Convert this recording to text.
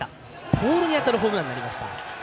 ポールに当たるホームランになりました。